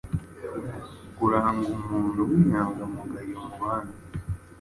kuranga umuntu w’inyangamugayo mubandi